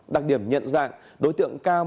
đặc điểm nhận dạng đối tượng cao một m sáu mươi bốn